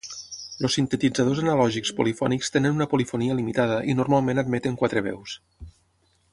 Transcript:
Els sintetitzadors analògics polifònics tenen una polifonia limitada i normalment admeten quatre veus.